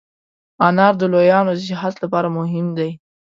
انار د لویانو د صحت لپاره مهم دی.